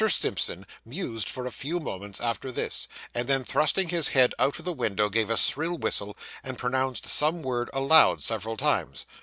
Simpson mused for a few moments after this, and then, thrusting his head out of the window, gave a shrill whistle, and pronounced some word aloud, several times.